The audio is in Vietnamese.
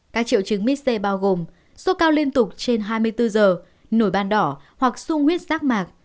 các triệu chứng mít c bao gồm sốt cao liên tục trên hai mươi bốn giờ nổi ban đỏ hoặc sung huyết rác mạc